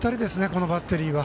このバッテリーは。